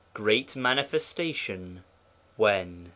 GREAT MANIFESTATION; WHEN?